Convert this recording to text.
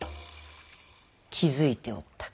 気付いておったか。